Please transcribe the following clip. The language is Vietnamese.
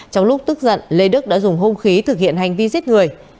trong lúc tức giận lê đức đã dùng hung khí thực hiện hành vi giết người